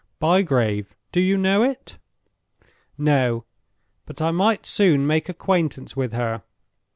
"Bygrave. Do you know it?" "No. But I might soon make acquaintance with her.